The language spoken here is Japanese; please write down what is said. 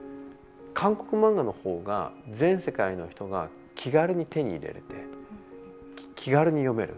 韓国漫画の方が全世界の人が気軽に手に入れれて気軽に読める。